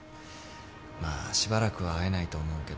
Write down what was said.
まあしばらくは会えないと思うけど。